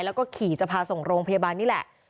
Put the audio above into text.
แล้วก็ขี่จะพาส่งโรงพยาบาลนี่แหละ